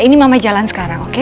ini mama jalan sekarang oke